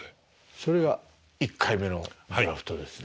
それが１回目のドラフトですね。